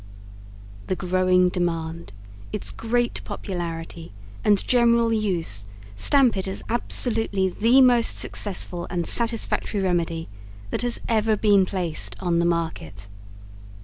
The growing demand, its great popularity and general use stamp it as absolutely the most successful and satisfactory remedy that has ever been placed on the market.